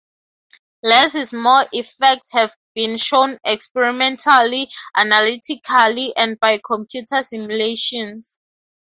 Less-is-more effects have been shown experimentally, analytically, and by computer simulations.